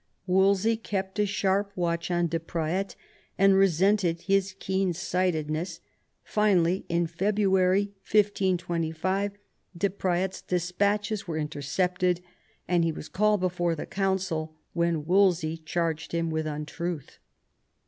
Wolsey kept a sharp watch on De Praet, and resented his keen sightedness; finally, in February 1525, De Praet's despatches were inter cepted, and he was called before the Council, when • Wolsey charged him with untruth.